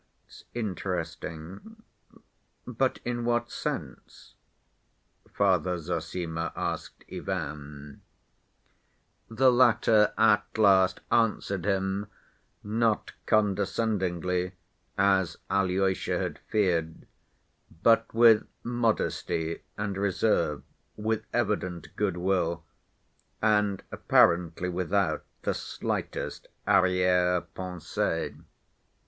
"That's interesting. But in what sense?" Father Zossima asked Ivan. The latter, at last, answered him, not condescendingly, as Alyosha had feared, but with modesty and reserve, with evident goodwill and apparently without the slightest arrière‐pensée.